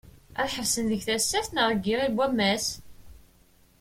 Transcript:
Ad ḥebsen deg Tasaft neɣ deg Iɣil n wammas?